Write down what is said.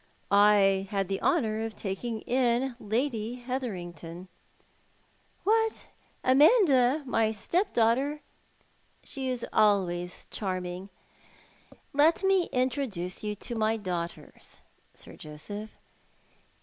" I had the honour of taking iu Lady Hetherington." "What, Amanda, my step daughter? She is always charm ing. Let me introduce you to my daughters. Sir Joseph.